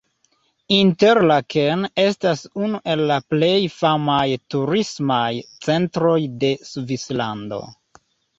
Interlaken estas unu el la plej famaj turismaj centroj de Svislando.